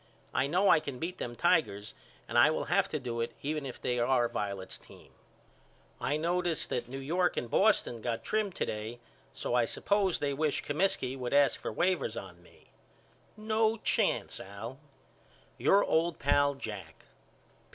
I know I can beat them Tigers and I will have to do it even if they are Violet's team. I notice that New York and Boston got trimmed to day so I suppose they wish Comiskey would ask for waivers on me. No chance Al. Your old pal, JACK.